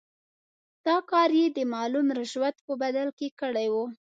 دا کار یې د معلوم رشوت په بدل کې کړی وو.